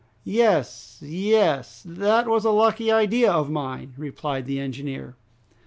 "Yes, yes! That was a lucky idea of mine!" replied the engineer.